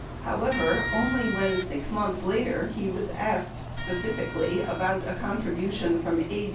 71 However, only when 6 months later he was asked specifically about a contribution from A.